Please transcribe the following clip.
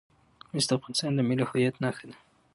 مس د افغانستان د ملي هویت نښه ده.